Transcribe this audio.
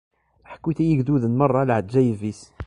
Ḥkut i yigduden merra, leɛǧayeb-is!